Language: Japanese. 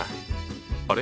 あれ？